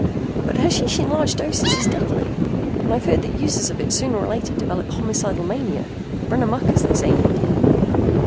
"But hashish in large doses is deadly, and I've heard that users of it sooner or later develop homicidal mania run amuck as they say in India."